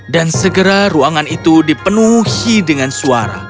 dan segera ruangan itu dipenuhi dengan suara